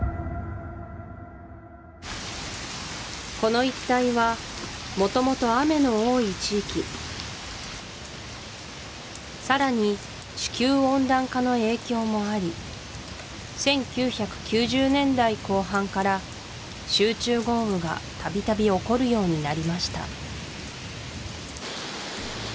この一帯はもともと雨の多い地域さらに地球温暖化の影響もあり１９９０年代後半から集中豪雨がたびたび起こるようになりました